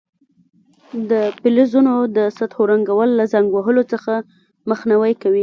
د فلزونو د سطحو رنګول له زنګ وهلو څخه مخنیوی کوي.